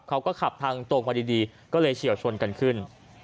เขาก็ขับทางตรงมาดีก็เลยเฉียวชนกันขึ้น